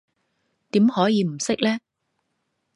點可以唔識呢？